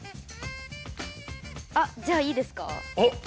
あっじゃあいいですか？